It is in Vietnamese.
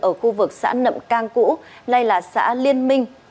ở khu vực xã nậm cang cũ nay là xã liên minh